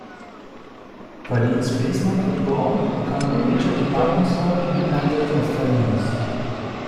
Filene's Basement would go on to become a major department store independent of Filene's.